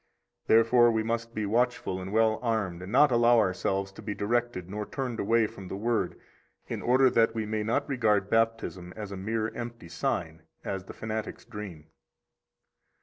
63 Therefore we must be watchful and well armed, and not allow ourselves to be directed nor turned away from the Word, in order that we may not regard Baptism as a mere empty sign, as the fanatics dream.